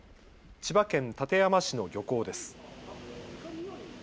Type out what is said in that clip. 千葉県館山市の漁港です。